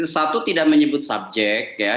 satu tidak menyebut subjek ya